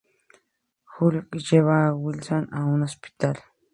Hulk lleva a Wilson a un hospital.